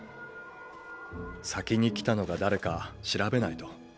先に来たのが誰か調べないと。